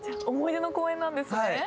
思い出の公園なんですね？